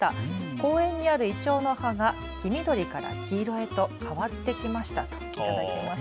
公園にあるいちょうの葉が黄緑から黄色へと変わってきましたと頂きました。